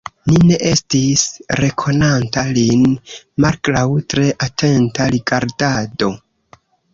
Mi ne estis rekonanta lin, malgraŭ tre atenta rigardado.